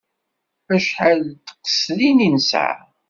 Acḥal n tqeslin i nesɛa?